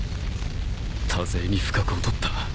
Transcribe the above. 多勢に不覚をとった